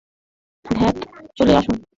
ধ্যাৎ, চলে আসুন।